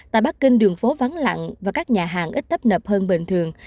tại bắc kinh đường phố vắng lặng và các nhà hàng ít tấp nập hơn bình thường